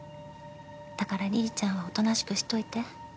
だから梨々ちゃんはおとなしくしといて。